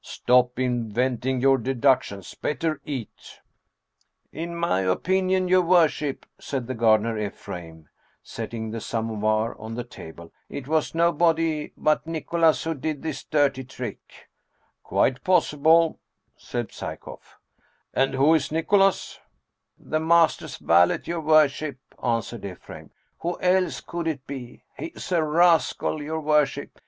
Stop inventing your deductions ! Better eat !"" In my opinion, your worship," said the gardener Ephraim, setting the samovar on the table, " it was no body but Nicholas who did this dirty trick !"" Quite possible," said Psyekoff. " And who is Nicholas ?" 163 Russian Mystery Stories " The master's valet, your worship," answered Ephraim. " Who else could it be ? He's a rascal, your worship !